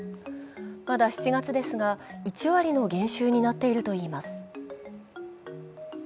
まだ７月ですが、１割の減収になっているといいます。